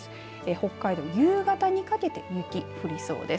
北海道、夕方にかけて雪、降りそうです。